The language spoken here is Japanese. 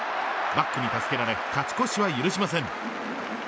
バックに助けられ勝ち越しは許しません。